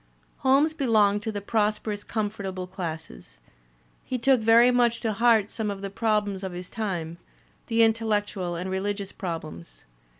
Holmes belonged to the prosperous comfortable classes. He took very much to heart some of the problems of his time, the intellectual and religious problems.